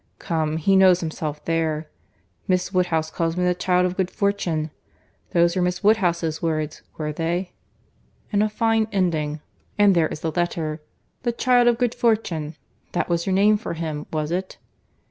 Come, he knows himself there. 'Miss Woodhouse calls me the child of good fortune.'—Those were Miss Woodhouse's words, were they?— And a fine ending—and there is the letter. The child of good fortune! That was your name for him, was it?"